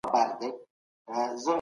نبي عليه السلام عادل قاضي و.